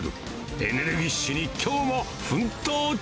エネルギッシュにきょうも奮闘中。